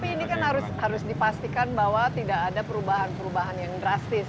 tapi ini kan harus dipastikan bahwa tidak ada perubahan perubahan yang drastis